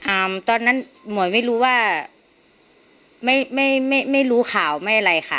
อ่าตอนนั้นหน่วยไม่รู้ว่าไม่ไม่ไม่ไม่รู้ข่าวไม่อะไรค่ะ